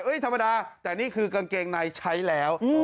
เอ้ยธรรมดาแต่นี่คือกางเกงนายใช้แล้วอืม